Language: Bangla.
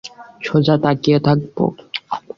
সোজা তাকিয়ে থাকব।